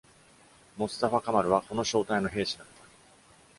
モスタファ・カマルはこの小隊の兵士だった。